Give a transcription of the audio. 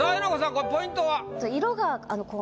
これポイントは？